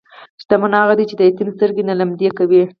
شتمن هغه دی چې د یتیم سترګې نه لمدې کوي.